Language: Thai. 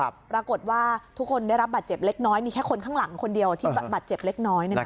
ปรากฏว่าทุกคนได้รับบาดเจ็บเล็กน้อยมีแค่คนข้างหลังคนเดียวที่บาดเจ็บเล็กน้อย